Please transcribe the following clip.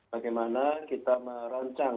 bagaimana kita merancang